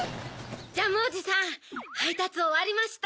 ジャムおじさんはいたつおわりました。